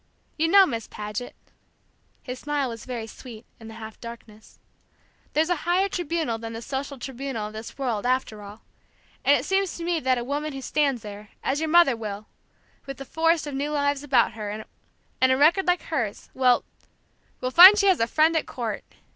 You know, Miss Paget," his smile was very sweet, in the half darkness, "there's a higher tribunal than the social tribunal of this world, after all; and it seems to me that a woman who stands there, as your mother will, with a forest of new lives about her, and a record like hers, will will find she has a Friend at court!"